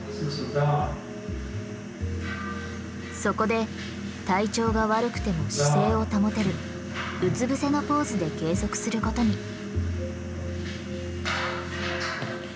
そこで体調が悪くても姿勢を保てるうつ伏せのポーズで計測することに。